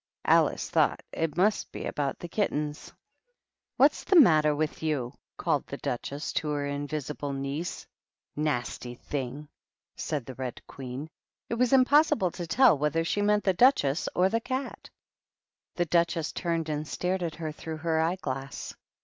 Alice thought it must be about the kittens. "What's the matter with you?" called the Duchess to her invisible niece. 11* 126 THE BED QUEEN AND THE DUCHESS. "Nasty thing!" said the Red Queen. It was impossible to tell whether she meant the Duchess or the Cat. The Duchess turned and stared at her through her eye glass.